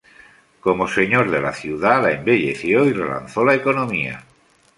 Como Señor de la ciudad, la embelleció y relanzó la economía.